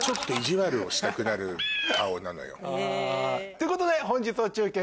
ということで本日の中継